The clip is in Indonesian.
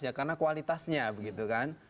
ya karena kualitasnya begitu kan